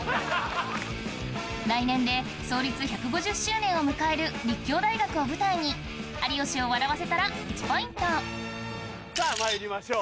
来年で創立１５０周年を迎える立教大学を舞台に有吉を笑わせたら１ポイントさぁまいりましょう。